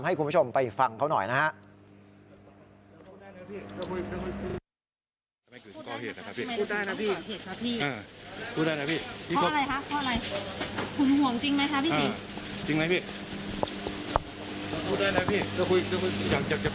ให้คุณผู้ชมไปฟังเขาหน่อยนะฮะ